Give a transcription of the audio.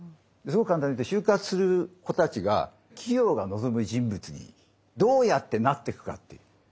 すごく簡単に言うと就活する子たちが企業が望む人物にどうやってなってくかっていう。